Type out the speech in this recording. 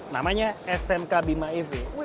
namanya smk bima ev